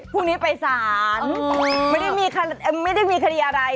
พรุ่งนี้ไปศาลไม่ได้มีคดีอะไร